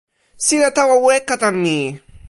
sina tawa weka tan mi.